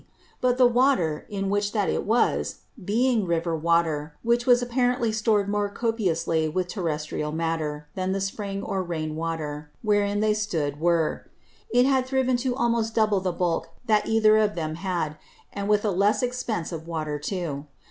But the Water, in which that was, being River water, which was apparently stored more copiously with terrestrial Matter, than the Spring or Rain water, wherein they stood, were; it had thriven to almost double the Bulk that either of them had, and with a less Expence of Water too.